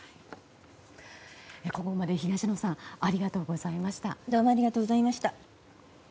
ここまで東野さんありがとうございました。